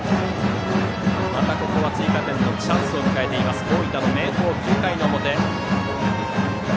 またここは追加点のチャンスを迎えている大分の明豊、９回の表。